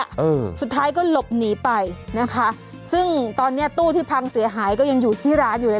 เออสุดท้ายก็หลบหนีไปนะคะซึ่งตอนเนี้ยตู้ที่พังเสียหายก็ยังอยู่ที่ร้านอยู่เลย